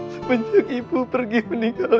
sebencak ibu pergi meninggalkan saya